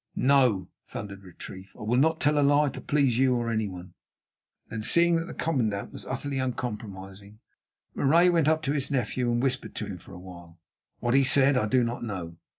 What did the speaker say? "No," thundered Retief, "I will not tell a lie to please you or anyone." Then, seeing that the commandant was utterly uncompromising, Marais went up to his nephew and whispered to him for a while. What he said I do not know.